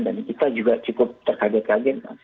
dan kita juga cukup terkaget kaget